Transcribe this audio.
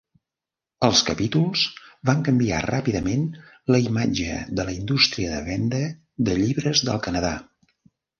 Els capítols van canviar ràpidament la imatge de la indústria de venda de llibres del Canadà.